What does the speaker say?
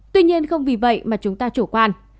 tuy nhiên không vì vậy mà chúng ta chủ quan